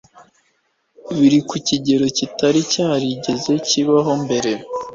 biri ku kigero kitari cyarigeze kibaho mbere